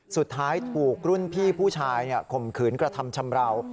สุดท้ายถูกรุ่นพี่ผู้ชายข่มขืนกระทำชำราว